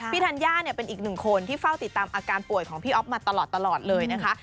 ธัญญาเนี่ยเป็นอีกหนึ่งคนที่เฝ้าติดตามอาการป่วยของพี่อ๊อฟมาตลอดเลยนะคะ